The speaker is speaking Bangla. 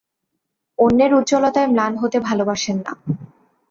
অন্যের উজ্জ্বলতায় ম্লান হতে ভালোবাসেন না।